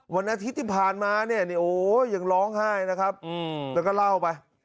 วันอาทิตย์ที่ผ่านมาเนี่ยโอ้ยังร้องไห้นะครับแล้วก็เล่าไป